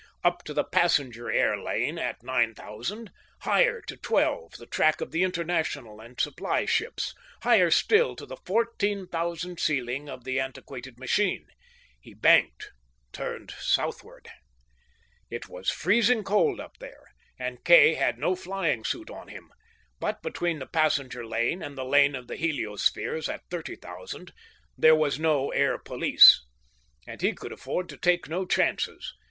Up to the passenger air lane at nine thousand: higher to twelve, the track of the international and supply ships; higher still, to the fourteen thousand ceiling of the antiquated machine. He banked, turned southward. It was freezing cold up there, and Kay had no flying suit on him, but, between the passenger lane and the lane of the heliospheres, at thirty thousand, there was no air police. And he could afford to take no chances.